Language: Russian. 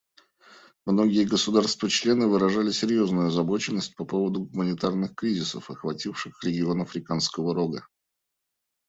Многие государства-члены выражали серьезную озабоченность по поводу гуманитарных кризисов, охвативших регион Африканского Рога.